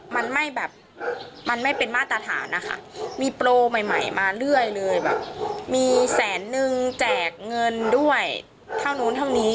มันไม่แบบมันไม่เป็นมาตรฐานนะคะมีโปรใหม่ใหม่มาเรื่อยเลยแบบมีแสนนึงแจกเงินด้วยเท่านู้นเท่านี้